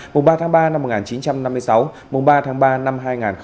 mùng ba tháng ba năm một nghìn chín trăm năm mươi sáu mùng ba tháng ba năm hai nghìn hai mươi